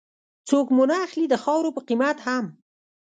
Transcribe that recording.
څوک مو نه اخلي د خاورو په قيمت هم